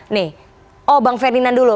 nih oh bang ferdinand dulu